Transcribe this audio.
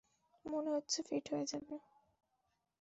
মনে হচ্ছে ফিট হয়ে যাবো।